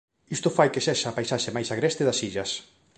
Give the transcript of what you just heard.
Isto fai que sexa a paisaxe máis agreste das illas.